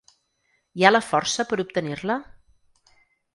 Hi ha la força per obtenir-la?